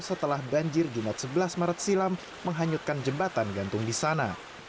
setelah banjir jumat sebelas maret silam menghanyutkan jembatan gantung di sana